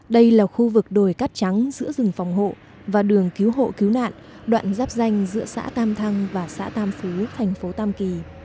đây là khu vực đồi cắt trắng giữa rừng phòng hộ và đường cứu hộ cứu nạn đoạn giáp danh giữa xã tam thăng và xã tam phú thành phố tam kỳ